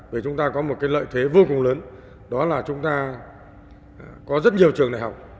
vì chúng ta có một cái lợi thế vô cùng lớn đó là chúng ta có rất nhiều trường đại học